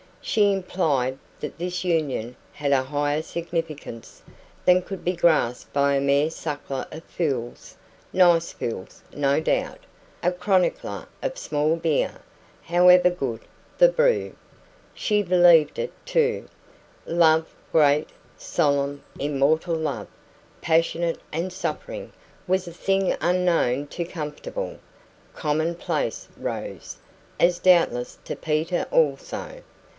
She implied that this union had a higher significance than could be grasped by a mere suckler of fools (nice fools, no doubt) and chronicler of small beer (however good the brew). She believed it, too. Love great, solemn, immortal Love, passionate and suffering was a thing unknown to comfortable, commonplace Rose, as doubtless to Peter also.